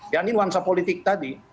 ini nuansa politik tadi